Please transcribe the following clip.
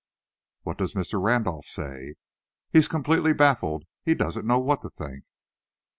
"What does Mr. Randolph say?" "He's completely baffled. He doesn't know what to think."